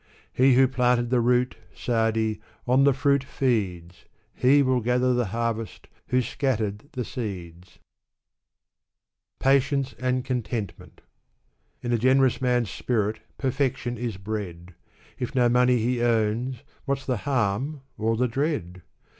He who planted the root, Sa'di, on the fruit feeds ! He will gather the harvest, who scattered the seeds ! Patience and Contentment. In a generous man's spirit perfection is bred ; If no money he owns, what's the harm or the dread?